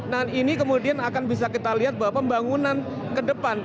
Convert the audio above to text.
nah ini kemudian akan bisa kita lihat bahwa pembangunan ke depan